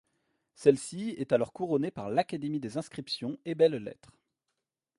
Celle-ci est alors couronnée par l'Académie des inscriptions et belles-lettres.